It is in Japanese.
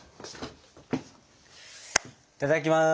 いただきます！